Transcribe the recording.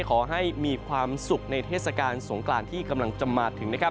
ขอให้มีความสุขในเทศกาลสงกรานที่กำลังจะมาถึงนะครับ